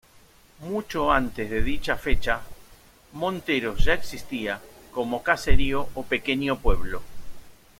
Mucho antes de dicha fecha, Monteros ya existía como caserío o pequeño pueblo.